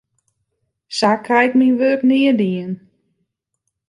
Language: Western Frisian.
Sa krij ik myn wurk nea dien.